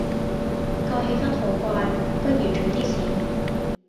個氣氛好怪，不如早啲閃